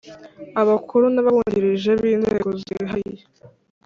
abakuru n ababungirije b inzego zihariye